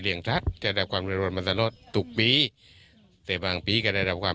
เรียงทัศน์จะได้ความเรียบร้อยมันจะรอดตุกปีแต่บางปีก็ได้รับความ